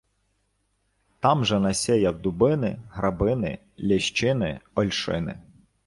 Там же насєяв дубини, грабини, лєщини, ольшини.